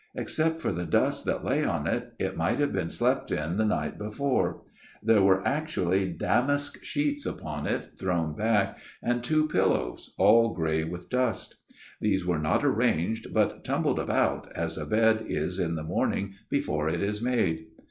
Except for the dust that lay on it, it might have been slept in the night before. There were MY OWN TALE 291 actually damask sheets upon it, thrown back, and two pillows all grey with dust. These were not arranged but tumbled about, as a bed is in the morning before it is made.